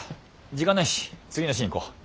時間ないし次のシーン行こう！